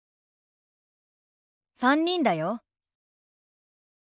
３人だよ。